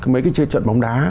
mấy cái chơi trận bóng đá